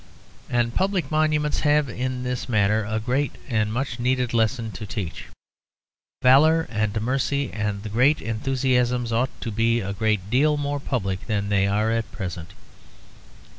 And public monuments have in this matter a great and much needed lesson to teach. Valour and mercy and the great enthusiasms ought to be a great deal more public than they are at present.